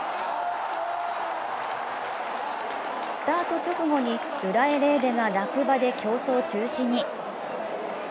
スタート直後にドゥラエレーデが落馬で競走中止に。